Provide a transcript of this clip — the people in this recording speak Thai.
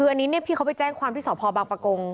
อันนี้พี่เขาไปแจ้งความไม่สอบพอบางประกง